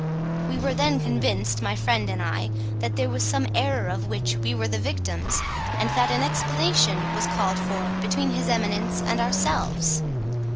We were then convinced, my friend and I, that there was some error of which we were the victims, and that an explanation was called for between his eminence and ourselves.